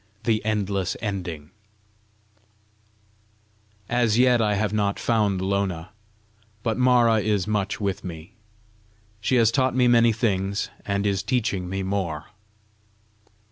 THE "ENDLESS ENDING" As yet I have not found Lona, but Mara is much with me. She has taught me many things, and is teaching me more.